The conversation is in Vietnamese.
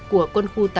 của quân khu tám